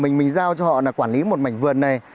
mà mình mình giao cho họ là quản lý một mảnh vườn này